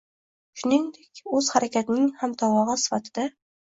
shuningdek, “o‘zharakatning” hamtovog‘i sifatida